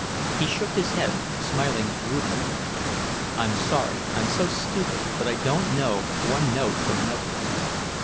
He shook his head, smiling ruefully. "I'm sorry I'm so stupid, but I don't know one note from another."